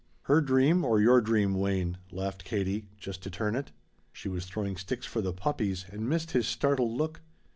"Her dream or your dream, Wayne?" laughed Katie, just to turn it. She was throwing sticks for the puppies and missed his startled look.